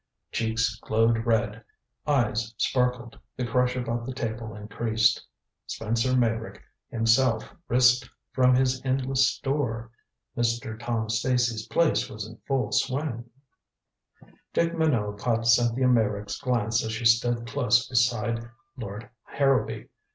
Cheeks glowed red, eyes sparkled, the crush about the table increased. Spencer Meyrick himself risked from his endless store. Mr. Tom Stacy's place was in full swing. Dick Minot caught Cynthia Meyrick's glance as she stood close beside Lord Harrowby.